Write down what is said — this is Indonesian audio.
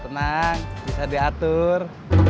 tenang bisa diatur